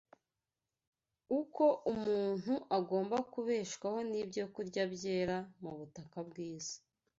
uko umunu agomba kubeshwaho n’ibyokurya byera mu butaka bw’isi.